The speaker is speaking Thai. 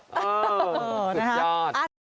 สวัสดีครับ